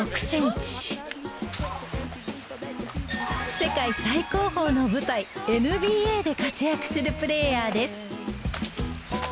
世界最高峰の舞台ＮＢＡで活躍するプレーヤーです。